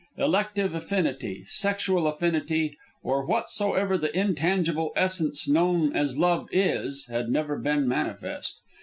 Elective affinity, sexual affinity, or whatsoever the intangible essence known as love is, had never been manifest.